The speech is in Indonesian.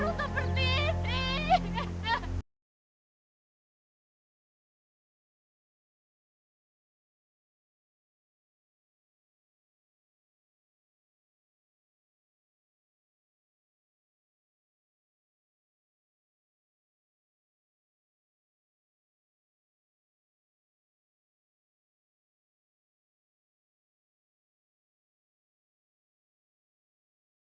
aku memang wanita berwajah buruk